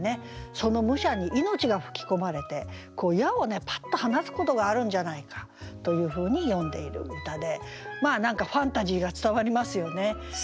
その武者に命が吹き込まれて矢をパッと放つことがあるんじゃないか。というふうに詠んでいる歌でまあ何かファンタジーが伝わりますよね。